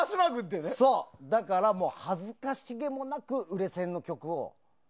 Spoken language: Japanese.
だから恥ずかし気もなく売れ線の曲を。